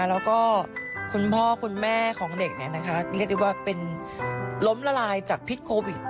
แล้วก็คุณพ่อคุณแม่ของเด็กเรียกได้ว่าเป็นล้มละลายจากพิษโควิด